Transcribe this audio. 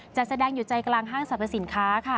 จัดแสดงอยู่ใจกลางห้างสรรพสินค้าค่ะ